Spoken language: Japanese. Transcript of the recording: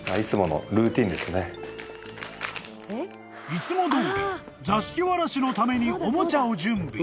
［いつもどおり座敷わらしのためにおもちゃを準備］